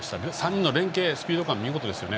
３人の連係、スピード感が見事でした。